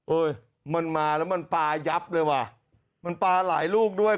มันมาแล้วมันปลายับเลยว่ะมันปลาหลายลูกด้วย